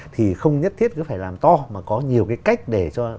thì không nhất thiết cứ phải làm to mà có nhiều cái cách để cho